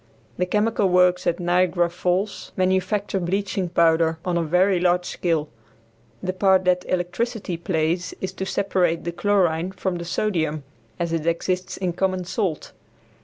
The chemical works at Niagara Falls manufacture bleaching powder on a very large scale. The part that electricity plays is to separate the chlorine from the sodium as it exists in common salt.